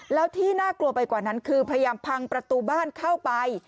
แล้วที่น่ากลัวไปกว่านั้นคือพยายามพังประตูบ้านเข้าไป